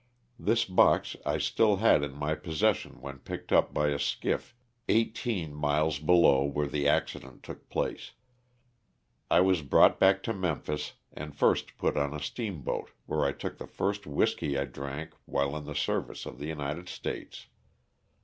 This box I still had in my possession when picked up by a skiff eighteen miles below where the accident took place. I was brought back to Memphis and first put on a steamboat where I took the first whiskey I drank while in the service of the United States.